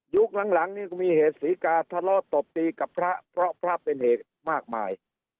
หลังนี่ก็มีเหตุศรีกาทะเลาะตบตีกับพระเพราะพระเป็นเหตุมากมาย